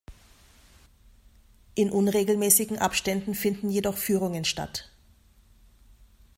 In unregelmäßigen Abständen finden jedoch Führungen statt.